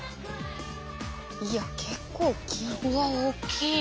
いや結構大きい！